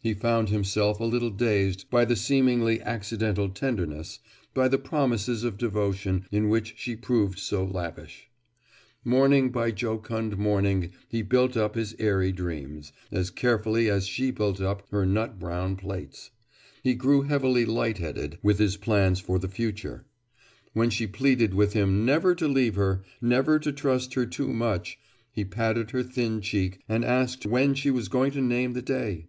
He found himself a little dazed by the seemingly accidental tenderness, by the promises of devotion, in which she proved so lavish. Morning by jocund morning he built up his airy dreams, as carefully as she built up her nut brown plaits. He grew heavily light headed with his plans for the future. When she pleaded with him never to leave her, never to trust her too much, he patted her thin cheek and asked when she was going to name the day.